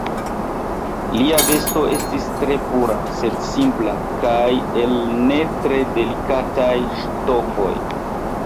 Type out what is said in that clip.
Lia vesto estis tre pura, sed simpla, kaj el ne tre delikataj ŝtofoj.